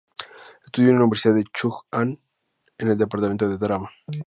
Estudió en la Universidad Chung-Ang, en el departamento de drama.